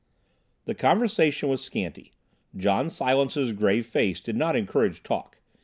The conversation was scanty. John Silence's grave face did not encourage talk.